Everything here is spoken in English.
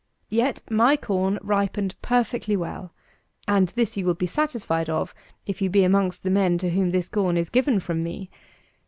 Yet my corn ripened perfectly well, and this you will be satisfied of if you be amongst the men to whom this corn is given from me.